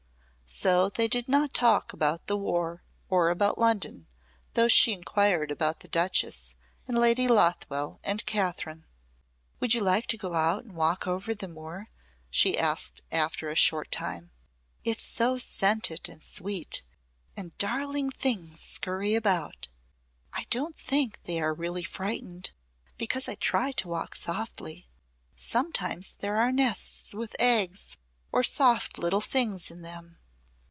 So they did not talk about the War or about London, though she inquired about the Duchess and Lady Lothwell and Kathryn. "Would you like to go out and walk over the moor?" she asked after a short time. "It's so scented and sweet, and darling things scurry about. I don't think they are really frightened, because I try to walk softly. Sometimes there are nests with eggs or soft little things in them."